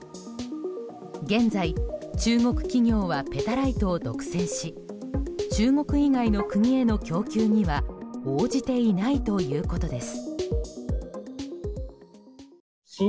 現在、中国企業はペタライトを独占し中国以外の国への供給には応じていないということです。